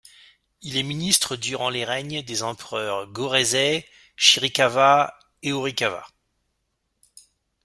Il est ministre durant les règnes des empereurs Go-Reizei, Shirakawa et Horikawa.